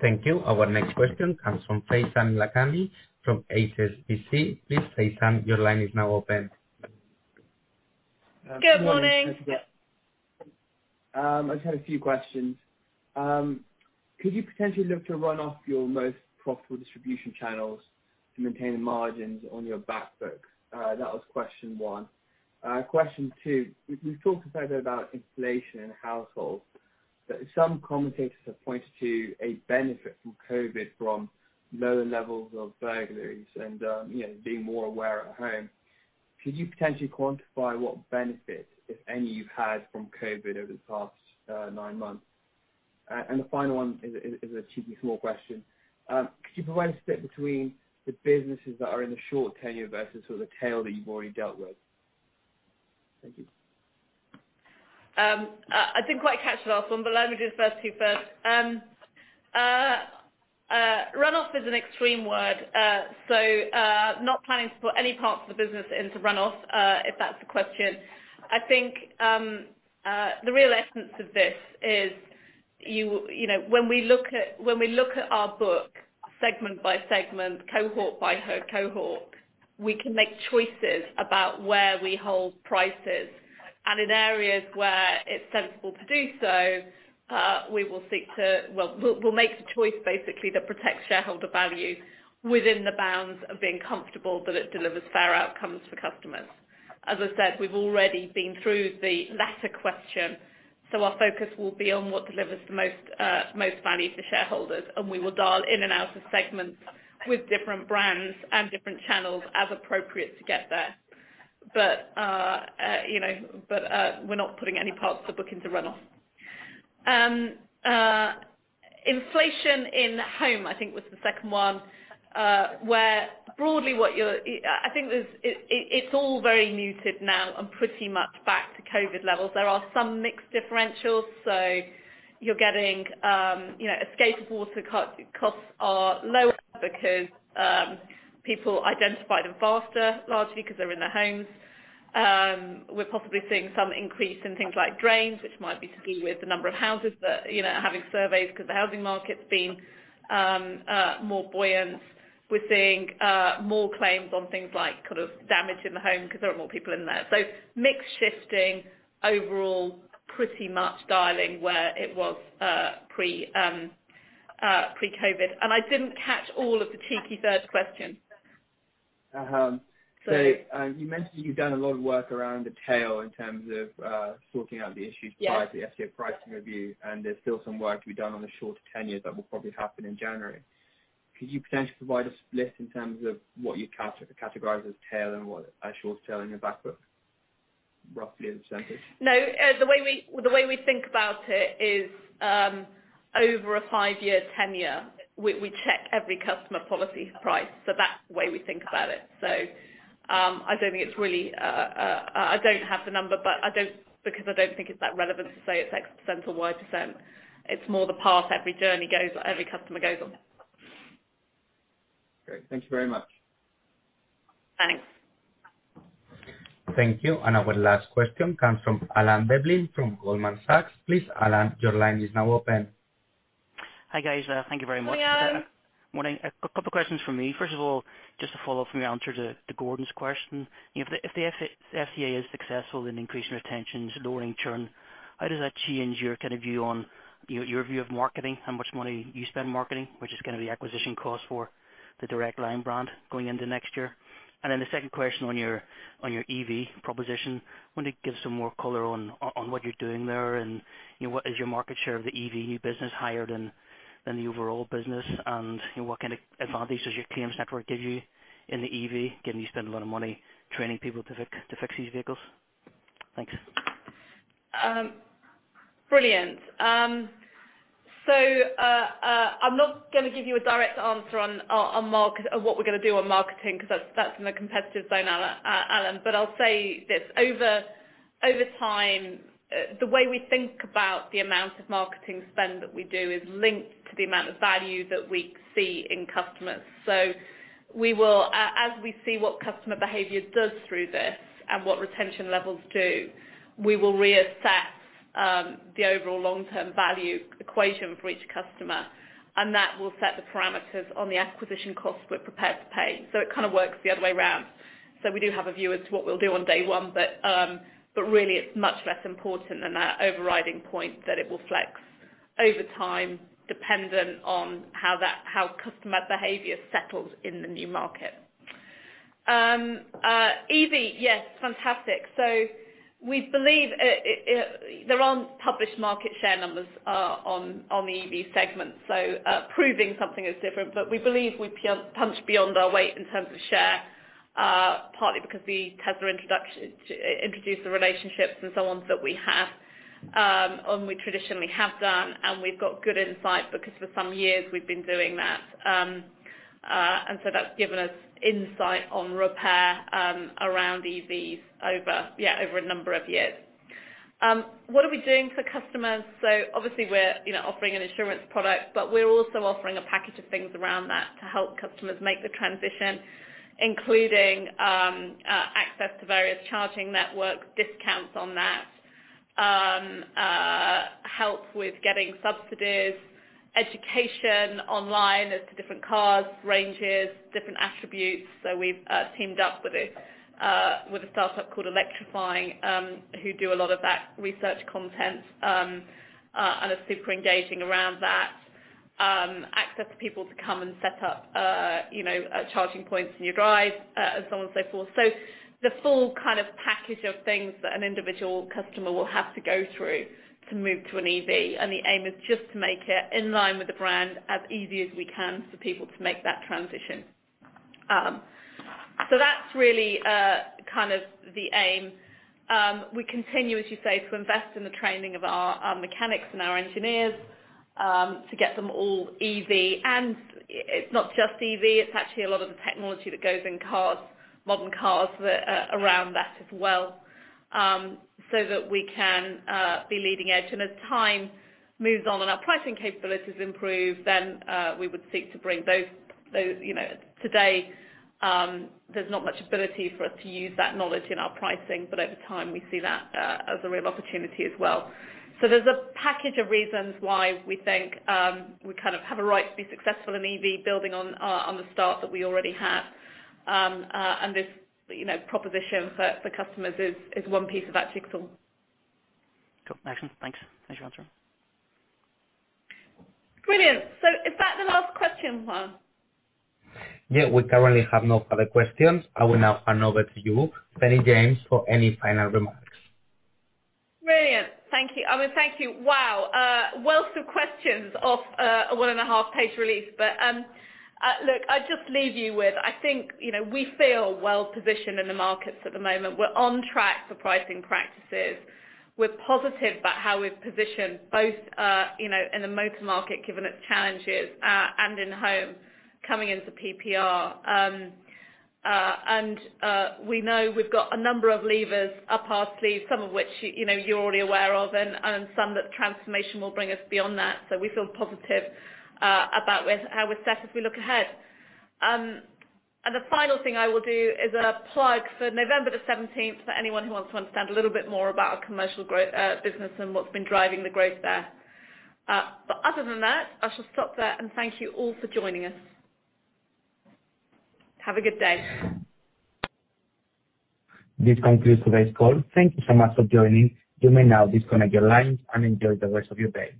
Thank you. Our next question comes from Faizan Lakhani from HSBC. Please, Faizan, your line is now open. Good morning. I just had a few questions. Could you potentially look to run off your most profitable distribution channels to maintain margins on your back book? That was question 1. Question 2, we've talked a fair bit about inflation in households, but some commentators have pointed to a benefit from COVID from lower levels of burglaries and, you know, being more aware at home. Could you potentially quantify what benefit, if any, you've had from COVID over the past nine months? The final one is a cheeky small question. Could you provide a split between the businesses that are in the short tenure versus sort of the tail that you've already dealt with? Thank you. I didn't quite catch the last one, but let me do the first two first. Runoff is an extreme word. So, not planning to put any parts of the business into runoff, if that's the question. I think the real essence of this is you know, when we look at our book segment by segment, cohort by cohort, we can make choices about where we hold prices. In areas where it's sensible to do so, we'll make the choice basically that protects shareholder value within the bounds of being comfortable that it delivers fair outcomes for customers. As I said, we've already been through the latter question, so our focus will be on what delivers the most value for shareholders, and we will dial in and out of segments with different brands and different channels as appropriate to get there. You know, we're not putting any parts of the book into runoff. Inflation in home, I think was the second one. It's all very muted now and pretty much back to COVID levels. There are some mixed differentials, so you're getting, you know, escape of water claims costs are lower because people identify them faster, largely because they're in their homes. We're possibly seeing some increase in things like drains, which might be to do with the number of houses that, you know, are having surveys because the housing market's been more buoyant. We're seeing more claims on things like kind of damage in the home because there are more people in there. Mix shifting overall pretty much dialing where it was pre-COVID. I didn't catch all of the cheeky third question. Uh, um- Sorry. You mentioned you've done a lot of work around the tail in terms of sorting out the issues. Yes Prior to the FCA pricing review, there's still some work to be done on the shorter tenures. That will probably happen in January. Could you potentially provide a split in terms of what you categorize as long tail and short tail in your back book, roughly as a percentage? No, the way we think about it is, over a five-year tenure, we check every customer policy price. That's the way we think about it. I don't have the number, because I don't think it's that relevant to say it's X% or Y%. It's more the path every customer goes on. Great. Thank you very much. Thanks. Thank you. Our last question comes from Alan Devlin from Goldman Sachs. Please, Alan, your line is now open. Hi, guys. Thank you very much. Hi, Alan. Morning. A couple questions from me. First of all, just a follow-up from your answer to Gordon's question. You know, if the FCA is successful in increasing retentions, lowering churn, how does that change your kind of view on, you know, your view of marketing? How much money you spend marketing? What is gonna be acquisition cost for the Direct Line brand going into next year? And then the second question on your EV proposition, I'm wondering if you could give some more color on what you're doing there and, you know, what is your market share of the EV business higher than the overall business? And, you know, what kind of advantages does your claims network give you in the EV, given you spend a lot of money training people to fix these vehicles? Thanks. Brilliant. I'm not gonna give you a direct answer on what we're gonna do on marketing, 'cause that's in a competitive zone, Alan. I'll say this. Over time, the way we think about the amount of marketing spend that we do is linked to the amount of value that we see in customers. We will, as we see what customer behavior does through this and what retention levels do, reassess the overall long-term value equation for each customer, and that will set the parameters on the acquisition costs we're prepared to pay. It kind of works the other way around. We do have a view as to what we'll do on day one, but really it's much less important than that overriding point that it will flex over time dependent on how customer behavior settles in the new market. EV. Yes. Fantastic. We believe there aren't published market share numbers on the EV segment, so proving something is different. We believe we punch beyond our weight in terms of share, partly because the Tesla introduction introduced the relationships and so on that we have, and we traditionally have done, and we've got good insight because for some years we've been doing that. That's given us insight on repair around EVs over a number of years. What are we doing for customers? Obviously we're, you know, offering an insurance product, but we're also offering a package of things around that to help customers make the transition, including access to various charging networks, discounts on that, help with getting subsidies, education online as to different cars, ranges, different attributes, access for people to come and set up, you know, charging points in your drive, and so on and so forth. We've teamed up with a startup called electrifying.com, who do a lot of that research content and are super engaging around that. The full kind of package of things that an individual customer will have to go through to move to an EV, and the aim is just to make it in line with the brand as easy as we can for people to make that transition. That's really kind of the aim. We continue, as you say, to invest in the training of our mechanics and our engineers, to get them all EV. It's not just EV, it's actually a lot of the technology that goes in cars, modern cars that are around that as well, so that we can be leading edge. As time moves on and our pricing capabilities improve, then we would seek to bring those. You know, today, there's not much ability for us to use that knowledge in our pricing, but over time, we see that as a real opportunity as well. There's a package of reasons why we think we kind of have a right to be successful in EV building on the start that we already have. This, you know, proposition for customers is one piece of that jigsaw. Cool. Thanks. Thanks for your answer. Brilliant. Is that the last question, Juan? Yeah, we currently have no further questions. I will now hand over to you, Penny James, for any final remarks. Brilliant. Thank you. I mean, thank you. Wow. A wealth of questions off a one and a half page release. Look, I'll just leave you with, I think, you know, we feel well-positioned in the markets at the moment. We're on track for pricing practices. We're positive about how we've positioned both, you know, in the motor market, given its challenges, and in home coming into PPR. We know we've got a number of levers up our sleeve, some of which, you know, you're already aware of, and some that transformation will bring us beyond that. We feel positive about how we're set as we look ahead. The final thing I will do is a plug for November 17th, for anyone who wants to understand a little bit more about our commercial growth, business and what's been driving the growth there. Other than that, I shall stop there and thank you all for joining us. Have a good day. This concludes today's call. Thank you so much for joining. You may now disconnect your lines and enjoy the rest of your day.